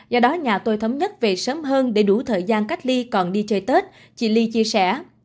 do đó nhà tôi thống nhất về sớm hơn để đủ thời gian cách ly còn đi chơi tết chị ly chia sẻ